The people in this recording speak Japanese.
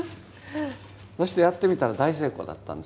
そしてやってみたら大成功だったんです。